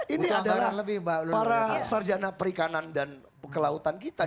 ini adalah para sarjana perikanan dan kelautan kita